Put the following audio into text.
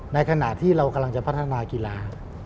ในขณะที่เรากำลังจะพัฒนากีฬา